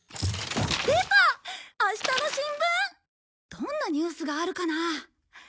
どんなニュースがあるかな？